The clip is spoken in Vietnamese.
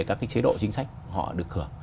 các cái chế độ chính sách họ được hưởng